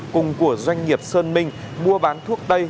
cùng của doanh nghiệp sơn minh mua bán thuốc tây